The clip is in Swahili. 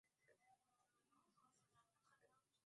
Cha kutumaini sina.